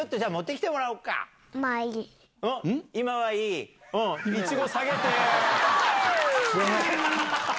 今はいい？